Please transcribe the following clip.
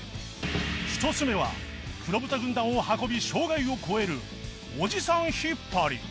１つ目は黒豚軍団を運び障害を越えるおじさん引っ張り